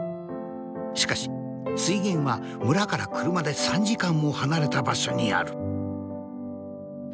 しかし水源は村から車で３時間も離れた場所にある。